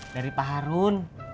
dari pak harun